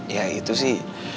ya itu sih